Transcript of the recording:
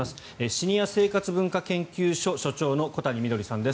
シニア生活文化研究所所長の小谷みどりさんです。